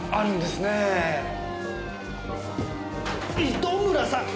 糸村さん